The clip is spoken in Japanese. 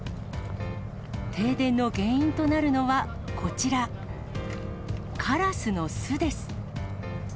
停電の原因となるのはこちら、カラスの巣です。